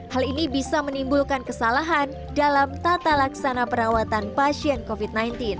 hal ini bisa menimbulkan kesalahan dalam tata laksana perawatan pasien covid sembilan belas